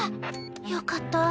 よかった。